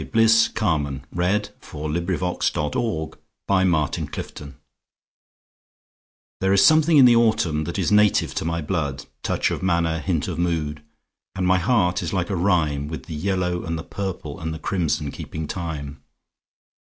Bliss Carman A Vagabond Song THERE is something in the autumn that is native to my blood—Touch of manner, hint of mood; And my heart is like a rhyme, With the yellow and the purple and the crimson keeping time.